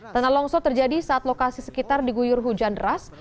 tanah longsor terjadi saat lokasi sekitar diguyur hujan deras